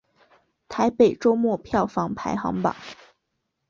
台北周末票房排行榜